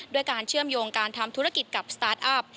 การเชื่อมโยงการทำธุรกิจกับสตาร์ทอัพ